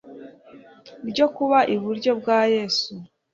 ryo kuba iburyo bwa Yesu